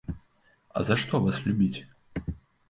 А за што вас любіць?